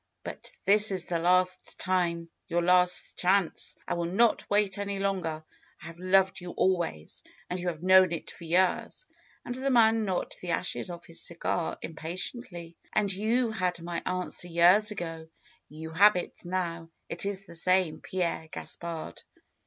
"But this is the last time; your last chance. I will not wait any longer. I have loved you always, and you have known it for years," and the man knocked the ashes off his cigar impatiently. "And you had my answer years ago. You have it now. It is the same, Pierre Gaspard."